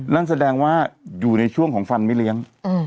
นั่นแสดงว่าอยู่ในช่วงของฟันไม่เลี้ยง